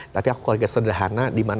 tapi aku keluarga yang sederhana dimana